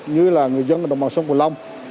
như là người dân đồng bằng sông cổ long